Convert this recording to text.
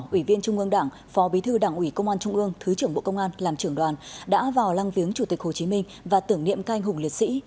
ủy viên trung ương đảng phó bí thư đảng ủy công an trung ương thứ trưởng bộ công an làm trưởng đoàn đã vào lăng viếng chủ tịch hồ chí minh và tưởng niệm canh hùng liệt sĩ